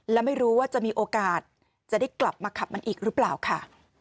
และไม่รู้ว่าจะมีโอกาสจะได้กลับมาขับมันอีกหรือเปล่าค่ะ